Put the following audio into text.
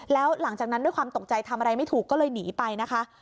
แล้วหลังจากนั้นด้วยความตกใจทำอะไรไม่ถูกก็เลยหนีไปนะคะ